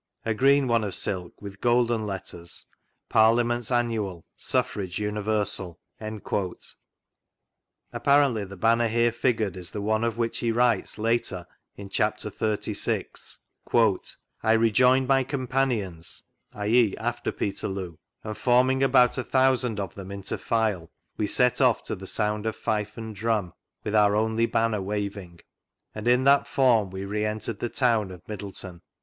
A green one of silk, with golden letters, PARLIA MENTS ANNUAL, SUFFRAGE UNIVERSAL." Apparently the Banner here figured is the one of which be writes later in chapter XXXVI. : "I rejoined my "... vGoogIc 76 APPENDIX A companions [i.e., after Peterloo], and forming about a thousand of them into file, we set off to the sound of fife and drum, wifA our only banner waving, and in that fonn we re entered the town of Middleton.